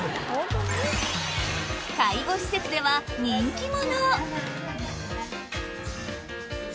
介護施設では人気者